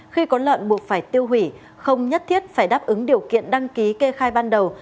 khi có lợn buộc phải tiêu hủy không nhất thiết phải đáp ứng điều kiện đăng ký kê khai ban đầu